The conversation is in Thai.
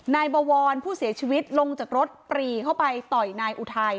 นายบวรผู้เสียชีวิตลงจากรถปรีเข้าไปต่อยนายอุทัย